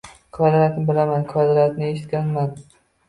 Kvadratni bilaman, kvadrantni eshitmaganman.